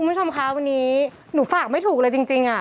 คุณผู้ชมคะวันนี้หนูฝากไม่ถูกเลยจริง